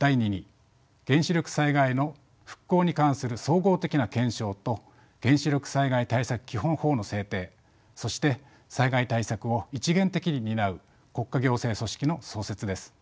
第２に原子力災害の復興に関する総合的な検証と原子力災害対策基本法の制定そして災害対策を一元的に担う国家行政組織の創設です。